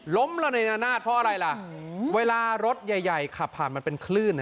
ล้มระเนนาดเพราะอะไรล่ะเวลารถใหญ่ขับผ่านมันเป็นคลื่น